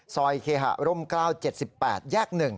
ซอยเคฮะร่มเกล้า๗๘แยก๑